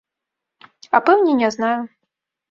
А пэўне не знаю.